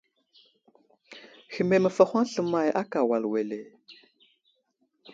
Hehme məfahoŋ slemay akà wal wele ?